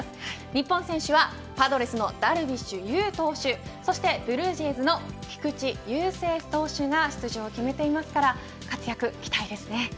日本選手はパドレスのダルビッシュ有投手そしてブルージェイズの菊池雄星投手が出場を決めているので活躍、期待ですね。